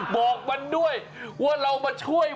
บอกมันด้วยว่าเรามาช่วย